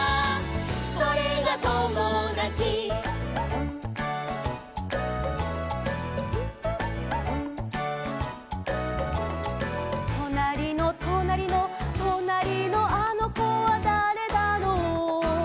「それがともだち」「となりのとなりの」「となりのあのこはだれだろう」